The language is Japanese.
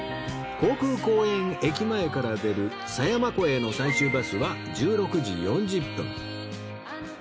航空公園駅前から出る狭山湖への最終バスは１６時４０分